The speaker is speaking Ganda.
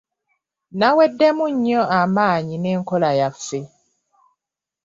Naweddemu nnyo amaanyi n'enkola yaffe.